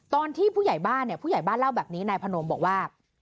ตอนที่ผู้ใหญ่บ้านเล่าแบบนี้นายพนมบอกว่า